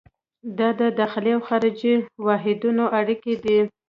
دا د داخلي او خارجي واحدونو اړیکې دي.